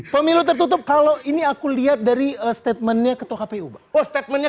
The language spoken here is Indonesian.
pemilu tertutup kalau ini aku lihat dari statementnya ketua kpu oh statementnya